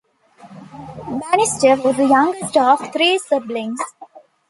Bannister was the youngest of three siblings.